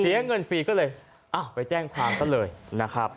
เสียเงินฟรีก็เลยไปแจ้งความซะเลยนะครับ